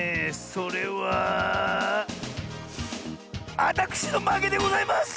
それはあたくしのまけでございます！